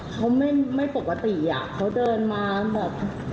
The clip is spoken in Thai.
เขาไม่ปกติอะเขาเดินมาแบบ